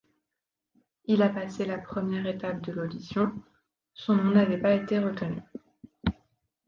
Il a passé la première étape de l'audition, son nom n'avait pas été retenu.